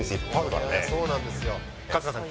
春日さん